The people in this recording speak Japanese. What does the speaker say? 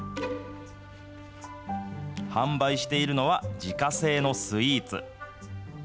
販売しているのは、自家製のスイーツ。